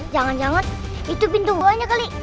jangan jangan itu pintu gua nya kali